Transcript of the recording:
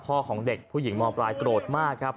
ของเด็กผู้หญิงมปลายโกรธมากครับ